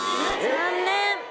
残念！